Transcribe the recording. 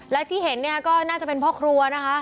และที่เห็นเนี่ยก็น่าจะเป็นพ่อครัวนะคะ